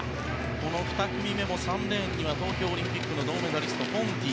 この２組目も３レーンには東京オリンピックの銅メダリストポンティ。